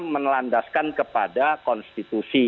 melandaskan kepada konstitusi